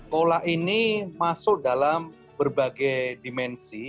pola ini masuk dalam berbagai dimensi